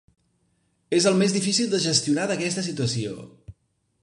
És el més difícil de gestionar d’aquesta situació.